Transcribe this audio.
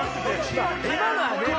今のはね